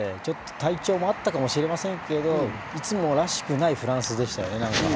体調もあったかもしれませんけど、いつもらしくないフランスでしたよね。